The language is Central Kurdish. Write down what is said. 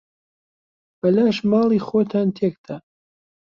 بەلاش ماڵی خۆتان تێک دا.